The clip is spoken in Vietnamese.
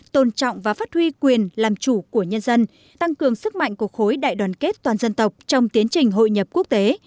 tôn trọng và phát huy quyền làm chủ của nhân dân tăng cường sức mạnh của khối đại đoàn kết toàn dân tộc trong tiến trình hội nhập quốc tế